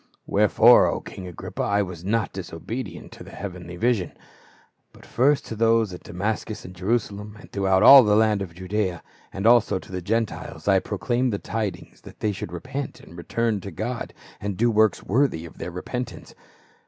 "Wherefore, O king Agrippa, I was not disobedient to the heavenly vision. But first to those at Damascus and Jerusalem, and throughout all the land of Judaea, and also to the Gentiles, I proclaimed the tidings that they should repent and return to God, and do works worthy of their repentance.